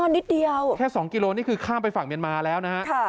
นิดเดียวแค่๒กิโลนี่คือข้ามไปฝั่งเมียนมาแล้วนะฮะ